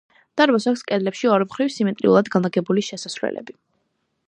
დარბაზს აქვს კედლებში ოთხმხრივ სიმეტრიულად განლაგებული შესასვლელები.